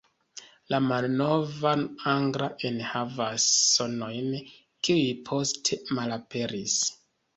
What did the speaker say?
La malnova angla enhavas sonojn kiuj poste malaperis.